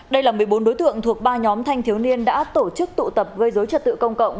đây là một mươi bốn đối tượng thuộc ba nhóm thanh thiếu niên đã tổ chức tụ tập gây dối trật tự công cộng